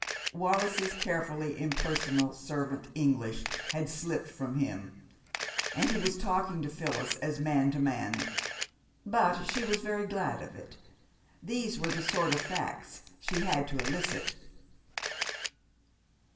Wallis's carefully impersonal servant English had slipped from him, and he was talking to Phyllis as man to man, but she was very glad of it. These were the sort of facts she had to elicit.